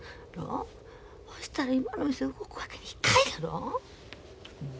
ほしたら今の店動くわけにいかんやろ。